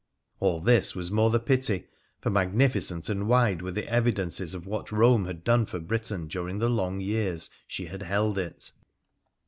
All this was the more the pity, for magnificent and wide were the evidences of what Rome had done for Britain during the long vears she had held it.